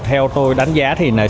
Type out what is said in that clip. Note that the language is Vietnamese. theo tôi đánh giá